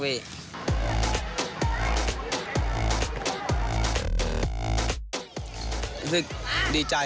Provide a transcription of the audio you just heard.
เธอถูกเปลี่ยนทีมชาย